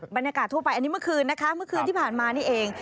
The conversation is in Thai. บรรยากาศทั่วไปอันนี้เมื่อคืนที่ผ่านมานี่เอง